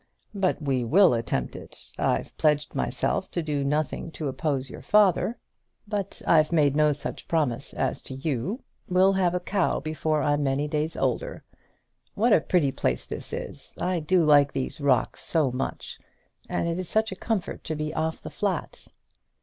"But we will attempt it. I've pledged myself to do nothing to oppose your father; but I've made no such promise as to you. We'll have a cow before I'm many days older. What a pretty place this is! I do like these rocks so much, and it is such a comfort to be off the flat."